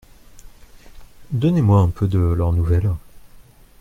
Donnez-moi un peu de leurs nouvelles.